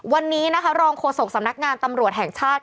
วันนี้นะคะรองโฆษกสำนักงานตำรวจแห่งชาติ